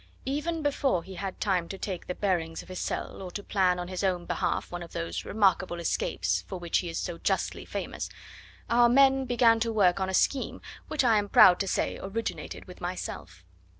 "Even before he had time to take the bearings of his cell or to plan on his own behalf one of those remarkable escapes for which he is so justly famous, our men began to work on a scheme which I am proud to say originated with myself.